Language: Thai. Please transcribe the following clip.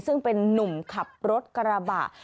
ซึ่งเป็นนุ่มขับรถกระบะ